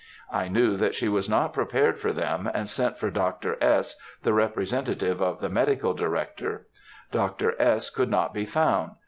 I knew that she was not prepared for them, and sent for Dr. S., the representative of the Medical Director. Dr. S. could not be found.